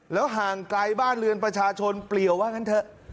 ห่างไกลบ้านเรือนประชาชนเปลี่ยวว่างั้นเถอะ